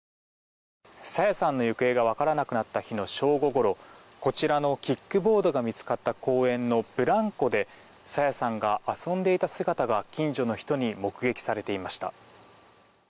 朝芽さんの行方が分からなくなった日の正午ごろこちらのキックボードが見つかった公園のブランコで朝芽さんが遊んでいた姿が近所の人に目撃されていました。